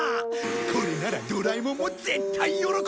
これならドラえもんも絶対喜ぶぜ！